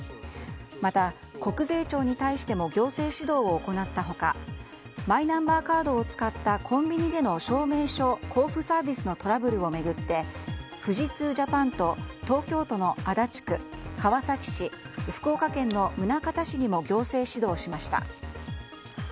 また、国税庁に対しても行政指導を行った他マイナンバーカードを使ったコンビニでの証明書交付サービスのトラブルを巡って富士通Ｊａｐａｎと東京都の足立区、川崎市福岡県の宗像市にも行政指導しました。